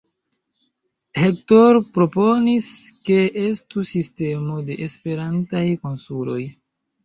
Hector proponis, ke estu sistemo de Esperantaj konsuloj.